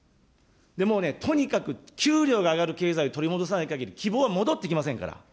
もうね、とにかく給料が上がる経済を取り戻さないかぎり、希望は戻ってきませんから。